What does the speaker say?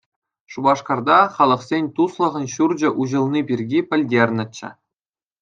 Шупашкарта Халӑхсен туслӑхӗн ҫурчӗ уҫӑлни пирки пӗлтернӗччӗ.